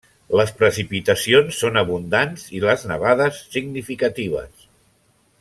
Les precipitacions són abundants i les nevades significatives.